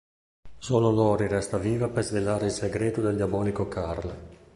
Solo Lori resta viva per svelare il segreto del diabolico Karl.